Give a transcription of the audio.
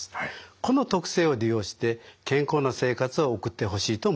この特性を利用して健康な生活を送ってほしいと思います。